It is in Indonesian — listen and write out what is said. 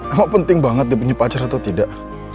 emang penting banget dia punya pacar atau tidak